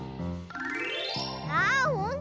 あほんとだ。